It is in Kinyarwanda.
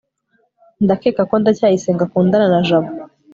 ndakeka ko ndacyayisenga akundana na jabo